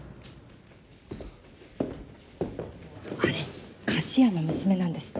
あれ菓子屋の娘なんですって？